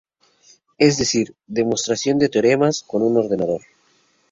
Es decir, demostración de teoremas con un ordenador.